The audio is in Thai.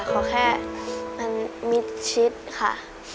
เขาแค่มีชิดค่ะ